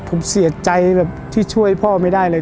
ผมเสียใจแบบที่ช่วยพ่อไม่ได้เลย